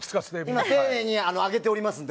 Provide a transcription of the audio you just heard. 今、丁寧に揚げておりますので。